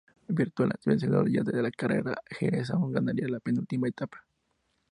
Virtual vencedor ya de la carrera, Heras aún ganaría en la penúltima etapa.